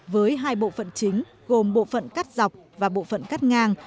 với hai bộ phận chính gồm bộ phận cắt dọc và bộ phận cắt ngang